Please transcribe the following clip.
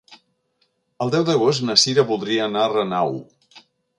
El deu d'agost na Cira voldria anar a Renau.